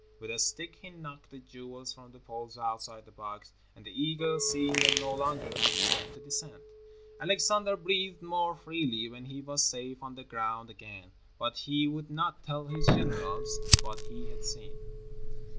With a stick he knocked the jewels from the poles outside the box, and the eagles, seeing them no longer, began to descend. Alexander breathed more freely when he was safe on the ground again, but he would not tell his generals what he had seen.